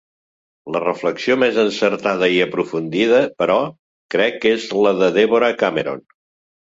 La reflexió més encertada i aprofundida, però, crec que és la de Deborah Cameron.